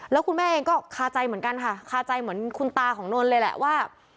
แล้วคุณแม่เองก็คาใจเหมือนกันค่ะคาใจเหมือนคุณตาของนนท์เลยแหละว่า